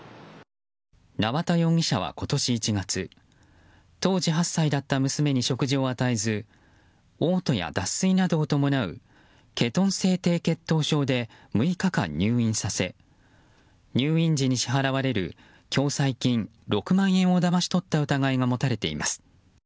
縄田容疑者は今年１月当時８歳だった娘に食事を与えず嘔吐や脱水などを伴うケトン性低血糖症で６日間入院させ入院時に支払われる共済金６万円をだまし取った疑いが持たれています。